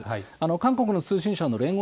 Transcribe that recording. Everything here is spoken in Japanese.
韓国の通信社の聯合